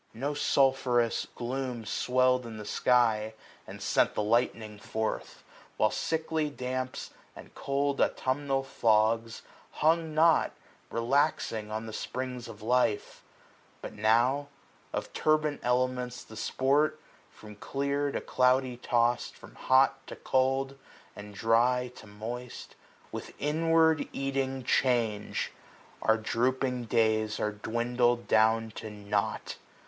No sulphureous glooms 14 SPRING. » I ■■■ II III ■ Sweird in the sky, and sent the lightning forth ; While sickly damps, and cold autumnal fogs. Hung not, relaxing, on the springs of life. But now, of turbid elements the sport, 330 From clear to cloudy tost, from hot to cold. And dry to moist, with inward eating change. Our drooping days are dwindled down to nought.